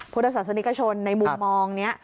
พุทธศาสนิกชนในมุมมองนี้